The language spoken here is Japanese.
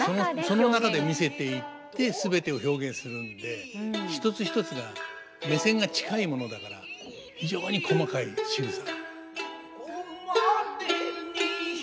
その中で見せていって全てを表現するんで一つ一つが目線が近いものだから非常に細かいしぐさ。